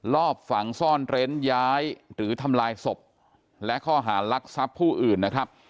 รอบฝังซ่อนเร้นย้ายหรือทำลายศพและข้อหารักทรัพย์ผู้อื่นนะครับ